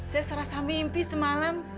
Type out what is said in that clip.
saya serasa mimpi semalam